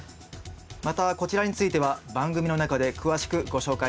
またこちらについては番組の中で詳しくご紹介したいと思います。